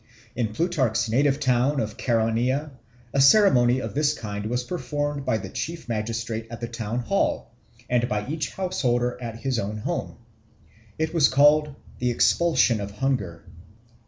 In Plutarch's native town of Chaeronea a ceremony of this kind was performed by the chief magistrate at the Town Hall, and by each householder at his own home. It was called the "expulsion of hunger."